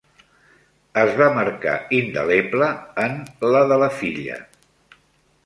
Es va marcar indeleble en la de la filla.